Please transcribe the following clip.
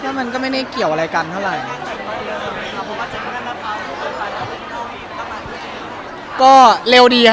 ที่ถึงเกี่ยวกับวิธี